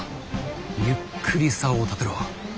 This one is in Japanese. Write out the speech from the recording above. ゆっくりさおを立てろ。